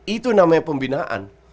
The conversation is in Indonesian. itu namanya pembinaan